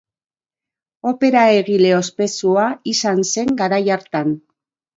Opera-egile ospetsua izan zen garai hartan.